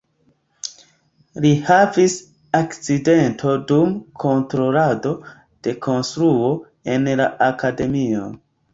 Li havis akcidenton dum kontrolado de konstruo en la akademio.